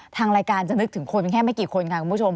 ทางรายการจะนึกถึงคนแค่ไม่กี่คนค่ะคุณผู้ชม